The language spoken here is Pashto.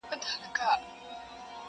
هغې نجلۍ ته مور منګی نه ورکوینه،،!